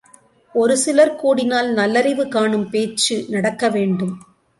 ஒருசிலர் கூடினால் நல்லறிவு காணும் பேச்சு நடக்கவேண்டும்.